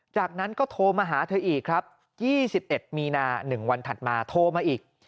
จากนั้นก็โทรมาหาเธออีกครับ๒๑มีนา๑วันถัดมาโทรมาอีก